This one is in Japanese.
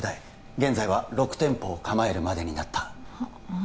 現在は６店舗を構えるまでになったま